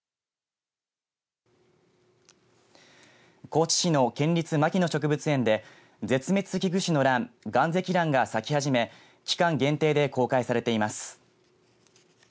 高知市の県立牧野植物園で絶滅危惧種のラン、ガンゼキランが咲き始め期間限定で公開されています。